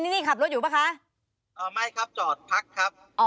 นี่ขับรถอยู่ป่ะคะไม่ครับจอดพักครับ